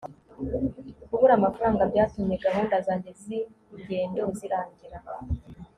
kubura amafaranga byatumye gahunda zanjye zingendo zirangira